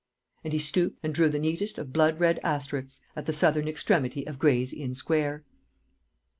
And he stooped and drew the neatest of blood red asterisks at the southern extremity of Gray's Inn Square.